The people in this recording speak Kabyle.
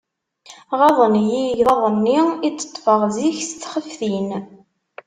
Ɣaḍen-iyi igḍaḍ-nni i d-ṭṭfeɣ zik s txeftin.